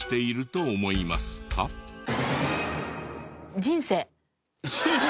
人生。